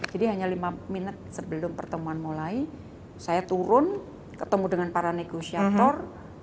jadi hanya lima menit sebelum pertemuan mulai saya turun ketemu dengan para negosiator